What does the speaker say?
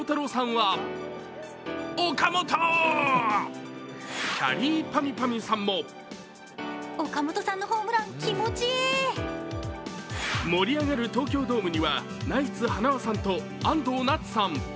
はきゃりーぱみゅぱみゅさんも盛り上がる東京ドームにはナイツ塙さんと安藤なつさん。